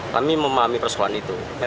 kami memahami persoalan itu